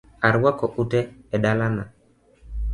Arwako utee e dala na